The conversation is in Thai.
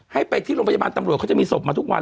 ให้ไปที่โรงพยาบาลตำรวจเขาจะมีศพมาทุกวัน